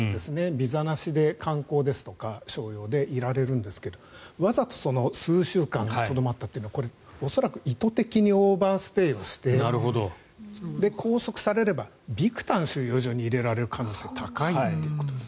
ビザなしで観光ですとか商用でいられるんですがわざと数週間とどまったというのはこれ、恐らく意図的にオーバーステイをして拘束されればビクタン収容所に入れられる可能性が高いということです。